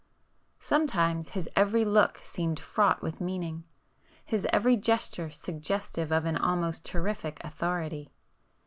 Sometimes his every look seemed fraught with meaning,—his every gesture suggestive of an almost terrific authority.